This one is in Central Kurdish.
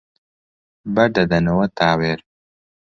بەر دەدەنەوە تاوێر